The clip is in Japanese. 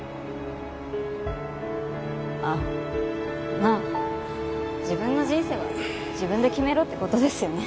あっまあ自分の人生は自分で決めろって事ですよね。